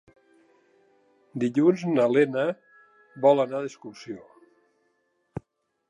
Dilluns na Lena vol anar d'excursió.